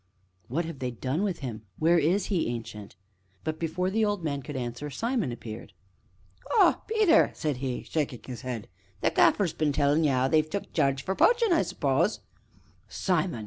"What have they done with him? Where is he, Ancient?" But, before the old man could answer, Simon appeared. "Ah, Peter!" said he, shaking his head, "the Gaffer's been tellin' ye 'ow they've took Jarge for poachin', I suppose " "Simon!"